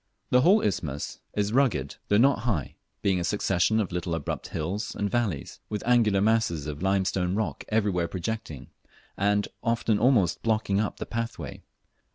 The whole isthmus is very rugged, though not high, being a succession of little abrupt hills anal valleys, with angular masses of limestone rock everywhere projecting, and often almost blocking up the pathway.